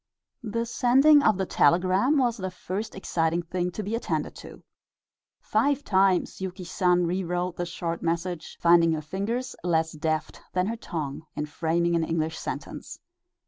The sending of the telegram was the first exciting thing to be attended to. Five times Yuki San rewrote the short message, finding her fingers less deft than her tongue in framing an English sentence.